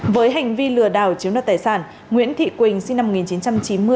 với hành vi lừa đảo chiếm đoạt tài sản nguyễn thị quỳnh sinh năm một nghìn chín trăm chín mươi